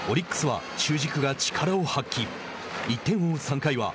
オリックスは中軸が力を発揮。